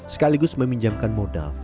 sekaligus meminjamkan modal